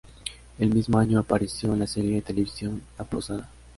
El mismo año apareció en la serie de televisión "La Posada".